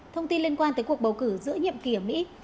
thông tin liên quan tới cuộc bầu cử giữa nhiệm kỳ ở mỹ